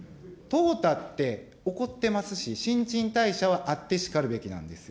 淘汰って起こってますし、新陳代謝はあってしかるべきなんですよ。